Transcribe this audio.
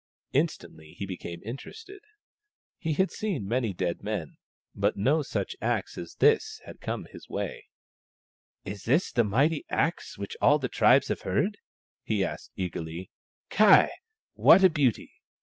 Instantly he became interested. He had seen many dead men, but no such axe as this had come his way. " Is that the mighty axe of which all the tribes have heard ?" he asked eagerly. " Ky ! what a beauty